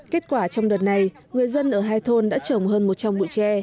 kết quả trong đợt này người dân ở hai thôn đã trồng hơn một trăm linh bụi tre